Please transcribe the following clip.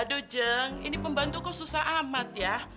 aduh jang ini pembantu kok susah amat ya